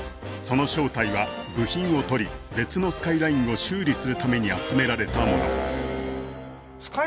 その正体は部品を取り別のスカイラインを修理するために集められたもの